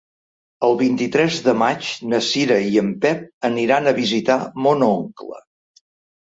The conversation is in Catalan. El vint-i-tres de maig na Cira i en Pep aniran a visitar mon oncle.